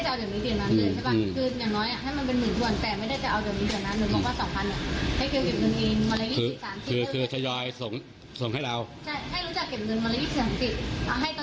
ใช่ให้รู้จักเก็บเงินวันละ๒๓ที่